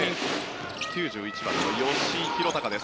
９１番の吉井裕鷹です。